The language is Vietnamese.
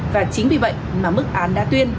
và chính vì vậy mà mức án đa tuyên